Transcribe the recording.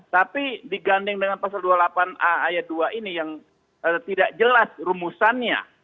tapi digandeng dengan pasal dua puluh delapan a ayat dua ini yang tidak jelas rumusannya